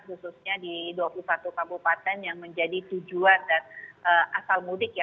khususnya di dua puluh satu kabupaten yang menjadi tujuan dan asal mudik ya